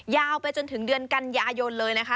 ยาวไปจนถึงเดือนกันยายนเลยนะคะ